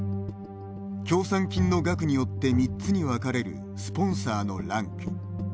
協賛金の額によって３つに分かれるスポンサーのランク。